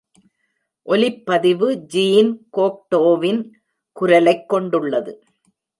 ஒலிப்பதிவு Jean கோக்டோவின் குரலைக் கொண்டுள்ளது.